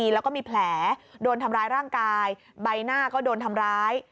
แล้วก็มีแผลโดนทำร้ายร่างกายใบหน้าก็โดนทำร้าย